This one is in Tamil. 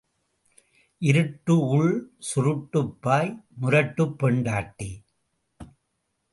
இருட்டு உள், சுருட்டுப் பாய், முரட்டுப் பெண்டாட்டி.